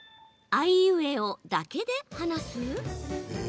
あいうえお、だけで話す？